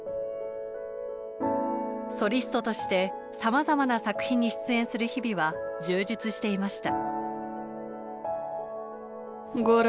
ソリストとしてさまざまな作品に出演する日々は充実していました。